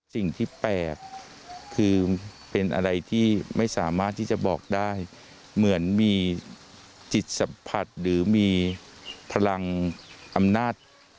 จ๋าน้อยบาทท้าวเท้าเวสวรรค์อยู่ในทะวัดคร่าว